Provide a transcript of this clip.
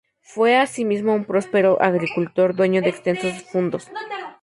Fue asimismo un próspero agricultor, dueño de extensos fundos.